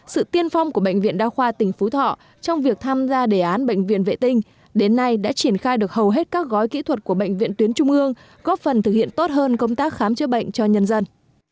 sự tiên phong của bệnh viện đa khoa tỉnh phú thọ trong việc tham gia đề án bệnh viện vệ tinh đến nay đã triển khai được hầu hết các gói kỹ thuật của bệnh viện tuyến trung ương góp phần thực hiện tốt hơn công tác khám chữa bệnh cho nhân dân